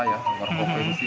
ya luar provinsi